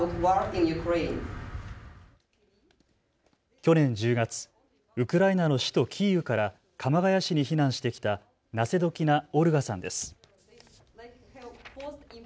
去年１０月、ウクライナの首都キーウから鎌ケ谷市に避難してきたナセドキナ・オルガさんです。